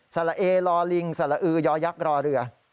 ละเอลอลิงสละอือยอยักษ์รอเรือ